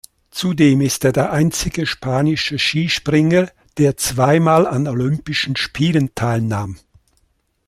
Zudem ist er der einzige spanische Skispringer, der zweimal an Olympischen Spielen teilnahm.